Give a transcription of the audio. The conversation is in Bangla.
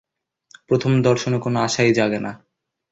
প্রথম দর্শনে কোন আশাই জাগে না।